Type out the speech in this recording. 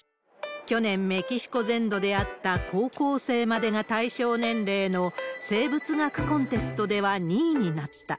去年、メキシコ全土であった、高校生までが対象年齢の生物学コンテストでは２位になった。